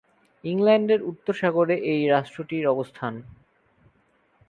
ইংল্যান্ডের উত্তর সাগরে এই রাষ্ট্রটির অবস্থান।